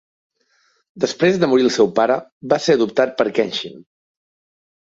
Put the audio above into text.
Després de morir el seu pare, va ser adoptat per Kenshin.